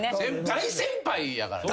大先輩やからな。